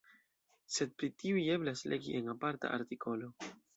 Sed pri tiuj eblas legi en aparta artikolo.